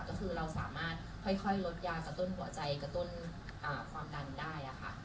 ก็คือเราสามารถค่อยลดยากระตุ้นหัวใจกระตุ้นความดันได้ค่ะ